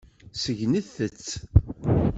Segnet-tt.